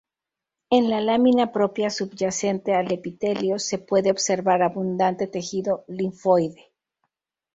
En la lámina propia subyacente al epitelio se puede observar abundante tejido linfoide.